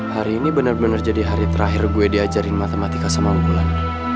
hari ini benar benar jadi hari terakhir gue diajarin matematika sama unggulan